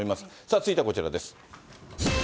続いてはこちらです。